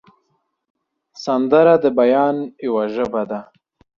سندره د بیان یوه ژبه ده